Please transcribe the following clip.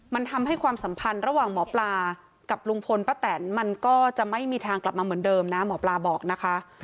มันทำให้ความสัมพันธ์ระหว่างหมอปลากับลุงพลป้าแตนมันก็จะไม่มีทางกลับมาเหมือนเดิมนะหมอปลาบอกนะคะ